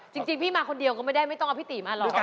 จริงพี่มาคนเดียวก็ไม่ได้ไม่ต้องเอาพี่ตีมาหรอก